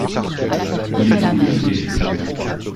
Il expose au Touquet.